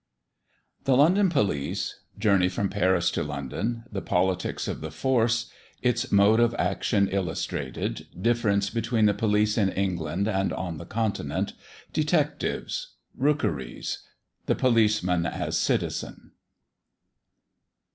THE LONDON POLICE. JOURNEY FROM PARIS TO LONDON. THE POLITICS OF THE FORCE. ITS MODE OF ACTION ILLUSTRATED. DIFFERENCE BETWEEN THE POLICE IN ENGLAND AND ON THE CONTINENT. DETECTIVES. ROOKERIES. THE POLICEMAN AS A CITIZEN.